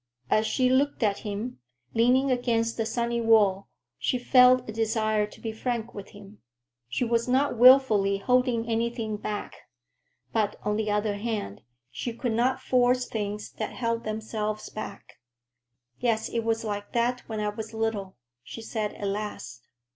As she looked at him, leaning against the sunny wall, she felt a desire to be frank with him. She was not willfully holding anything back. But, on the other hand, she could not force things that held themselves back. "Yes, it was like that when I was little," she said at last.